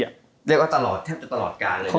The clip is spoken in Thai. เรียกว่าแทบจะตลอดกาลเลยใช่ไหมครับ